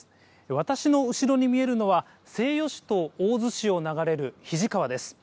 私の後ろに見えるのは、西予市と大洲市を流れる肱川です。